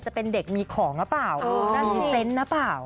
จะเป็นเด็กมีของนะเปล่ามีเซ็นต์นะเปล่า